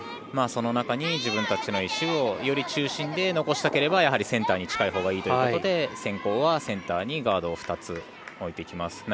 その中に、自分たちの石をより中心で残したければセンターに近いほうがいいということで先攻はセンターにガードを２つ置いてきます。